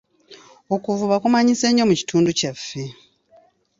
Okuvuba kumanyise nnyo mu kitundu kyaffe.